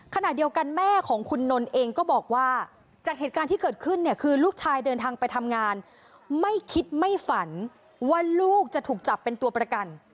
ขณะเดียวกันแม่ของคุณนนท์เองก็บอกว่าจากเหตุการณ์ที่เกิดขึ้นเนี่ยคือลูกชายเดินทางไปทำงานไม่คิดไม่ฝันว่าลูกจะถูกจับเป็นตัวประกัน